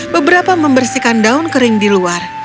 beberapa membersihkan daun kering di luar